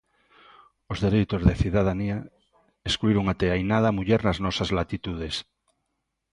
Os dereitos de cidadanía excluíron até hai nada a muller nas nosas latitudes.